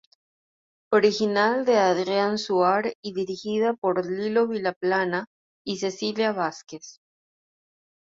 Original de Adrián Suar y dirigida por Lilo Vilaplana y Cecilia Vásquez.